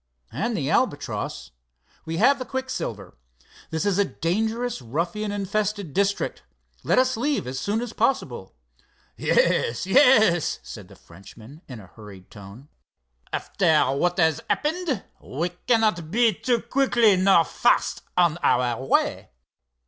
"And the Albatross. We have the quicksilver. This is a dangerous ruffian infested district. Let us leave as soon as possible." "Yes, yes," said the Frenchman, in a hurried tone. "After what has happened we cannot be too quickly nor fast on our way."